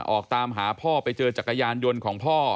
ออกตามหาพ่อไปเจอจักรยานยนต์ของพ่อ